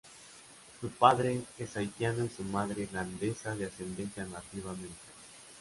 Su padre es haitiano y su madre irlandesa de ascendencia nativa americana.